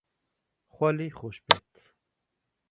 خوا لێی خۆش بێت